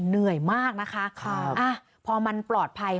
เหนื่อยมากนะคะพอมันปลอดภัย